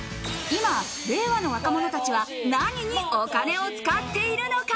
今、令和の若者たちは何にお金を使っているのか。